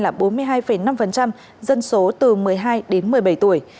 là bốn mươi hai năm dân số từ một mươi hai đến một mươi bảy tuổi